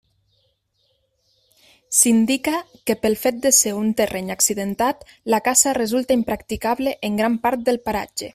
S'indica que pel fet de ser un terreny accidentat la caça resulta impracticable en gran part del paratge.